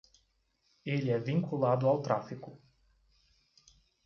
Ele é vinculado ao tráfico.